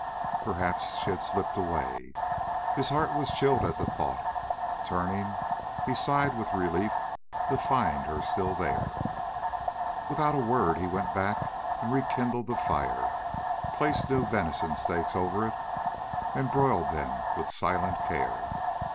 Perhaps she had slipped away. His heart was chilled at the thought; turning, he sighed with relief to find her still there. Without a word he went back and rekindled the fire, placed new venison steaks over it, and broiled them with silent care.